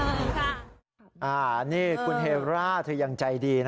สวัสดีครับครับคุณค่ะเฮร่า์ที่อย่างใจดี